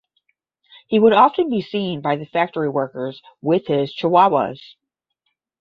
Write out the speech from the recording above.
He would often be seen by the factory workers with his Chihuahuas.